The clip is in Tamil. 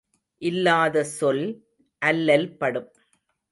இல்லாத சொல் அல்லல்படும்.